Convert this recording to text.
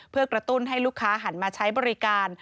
เพื่อกระตุ้นให้ลูกค้าหันมาใช้บริการ